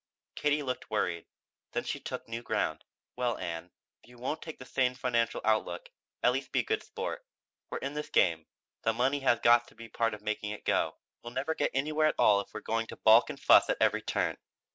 Katie looked worried. Then she took new ground. "Well, Ann, if you won't take the sane financial outlook, at least be a good sport. We're in this game; the money has got to be part of making it go. We'll never get anywhere at all if we're going to balk and fuss at every turn.